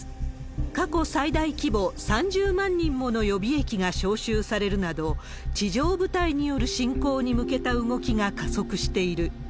過去最大規模、３０万人もの予備役が招集されるなど、地上部隊による侵攻に向けた動きが加速している。